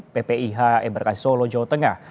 ppih embarkasi solo jawa tengah